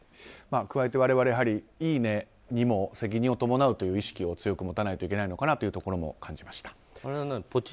加えて、我々いいねにも責任が伴うという意識を強く持たないといけないのかなということも感じました。